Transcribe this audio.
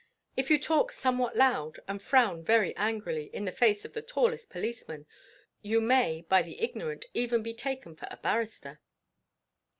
If you talk somewhat loud, and frown very angrily in the face of the tallest policeman, you may by the ignorant even be taken for a barrister.